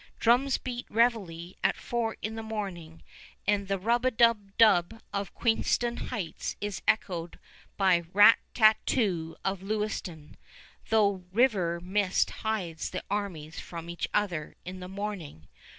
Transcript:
Drums beat reveillé at four in the morning, and the rub a dub dub of Queenston Heights is echoed by rat tat too of Lewiston, though river mist hides the armies from each other in the morning.